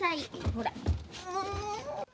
ほら。